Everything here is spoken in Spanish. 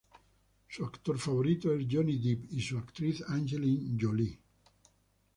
Su actor favorito es Johnny Deep y su actriz Angelina Jolie.